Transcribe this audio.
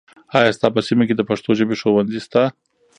آیا ستا په سیمه کې د پښتو ژبې ښوونځي شته؟